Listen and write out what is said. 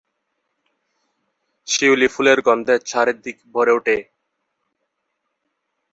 শিউলি ফুলের গন্ধে চারিদিক ভরে উঠে।